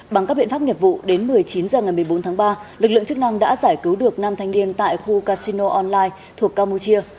bằng các biện pháp nghiệp vụ đến một mươi chín h ngày một mươi bốn tháng ba lực lượng chức năng đã giải cứu được năm thanh niên tại khu casino online thuộc campuchia